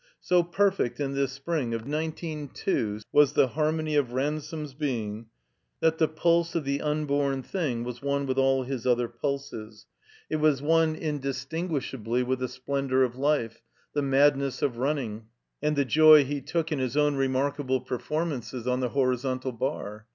So perfect, in this spring of nineteen two, was the harmony of Ransome's being that the ptdse of the unborn thing was one with all his other pulses; it was one, indis tinguishably, with the splendor of life, the madness of running, and the joy he took in his own remarkable performances on the horizontal bar.